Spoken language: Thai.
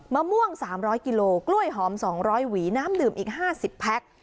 มะม่วง๓๐๐กิโลกล้วยหอม๒๐๐หวีน้ำดื่มอีก๕๐แพ็ค